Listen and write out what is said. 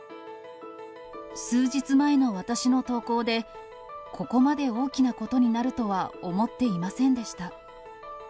数日前の私の投稿で、ここまで大きなことになるとは思っていませんでした。